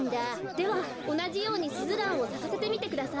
ではおなじようにスズランをさかせてみてください。